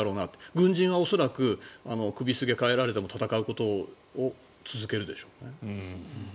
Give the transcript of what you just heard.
軍人は恐らく首をすげ替えられても戦うことを続けるでしょうね。